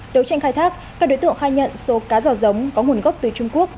đấu tranh khai thác các đối tượng khai nhận số cá giò giống có nguồn gốc từ trung quốc